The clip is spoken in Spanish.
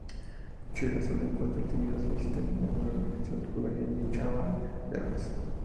Chirac sólo encuentra tímidas resistencias en alguna organización juvenil y en Chaban-Delmas.